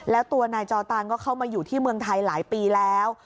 แล้วตัวนายจอตานก็เข้ามาอยู่ที่เมืองไทยหลายปีแล้ว